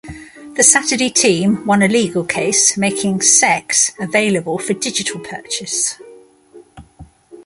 The Saturday Team won a legal case, making "Sex" available for digital purchase.